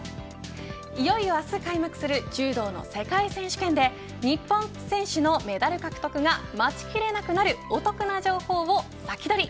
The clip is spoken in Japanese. いよいよ明日開幕する柔道の世界選手権で日本選手のメダル獲得が待ちきれなくなるお得な情報をサキドリ。